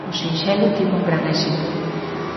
O sinxelo tivo un gran éxito.